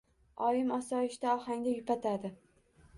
Oyim osoyishta ohangda yupatadi.